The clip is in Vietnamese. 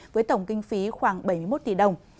với tổng kinh phí khoảng bảy mươi một tỷ đồng